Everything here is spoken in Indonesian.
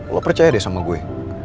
lo percaya deh sama gue